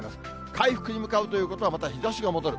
回復に向かうということは、また、日ざしが戻る。